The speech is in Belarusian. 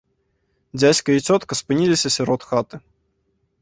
Дзядзька і цётка спыніліся сярод хаты.